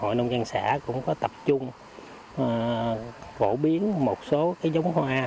hội nông dân xã cũng có tập trung phổ biến một số cái giống hoa